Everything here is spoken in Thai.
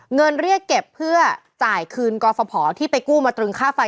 เรียกเก็บเพื่อจ่ายคืนกรฟภที่ไปกู้มาตรึงค่าไฟ